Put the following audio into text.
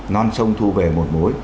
non sông thu về một mối